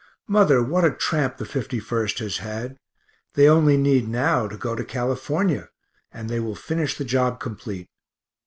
Mother, what a tramp the 51st has had they only need now to go to California, and they will finish the job complete.